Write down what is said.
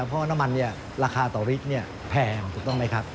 เพราะว่าน้ำมันราคาต่อลิตรแพงถูกต้องไหมครับ